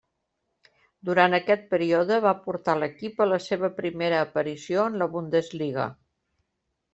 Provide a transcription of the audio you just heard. Durant aquest període va portar l'equip a la seva primera aparició en la Bundesliga.